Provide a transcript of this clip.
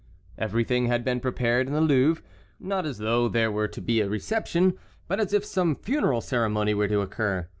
Everything had been prepared in the Louvre, not as though there were to be a reception, but as if some funeral ceremony were to occur.